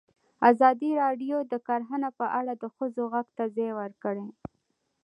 ازادي راډیو د کرهنه په اړه د ښځو غږ ته ځای ورکړی.